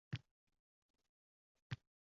Yillar o’tib, o’sha nihol